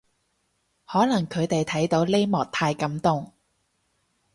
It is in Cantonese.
可能佢哋睇到呢幕太感動